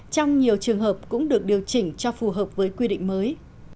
trong nhiều trường hợp cũng được điều chỉnh cho phù hợp với quy định mới